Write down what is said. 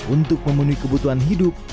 untuk memenuhi kebutuhan hidup